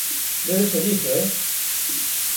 Debe ser iso, ¡eh!